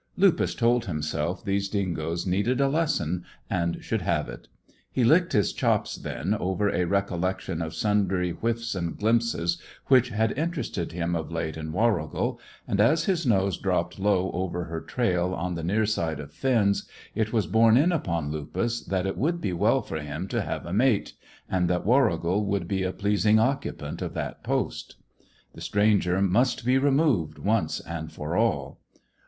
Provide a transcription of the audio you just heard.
Lupus told himself these dingoes needed a lesson, and should have it. He licked his chops, then, over a recollection of sundry whiffs and glimpses which had interested him of late in Warrigal, and as his nose dropped low over her trail on the near side of Finn's, it was borne in upon Lupus that it would be well for him to have a mate, and that Warrigal would be a pleasing occupant of that post. The stranger must be removed, once and for all.